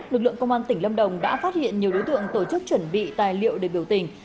lực lượng công an tỉnh lâm đồng đã phát hiện nhiều đối tượng tổ chức chuẩn bị tài liệu để biểu tình